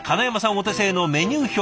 お手製のメニュー表。